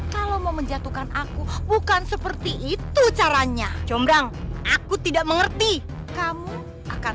kalau mau menjatuhkan aku bukan seperti itu caranya jombrang aku tidak mengerti kamu akan